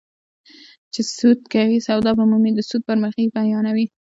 چې سود کوې سودا به مومې د سود بدمرغي بیانوي